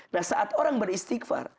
nah saat orang beristighfar